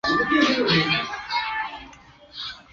中环及田湾海旁道。